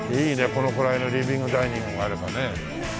このくらいのリビング・ダイニングがあればね。